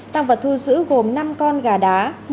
tạng vật thu giữ gồm năm con gà đá